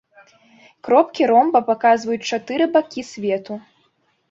Кропкі ромба паказваюць чатыры бакі свету.